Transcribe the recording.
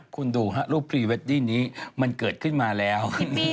คุณดูฮะรูปพรีเวดดิ้งนี้มันเกิดขึ้นมาแล้ว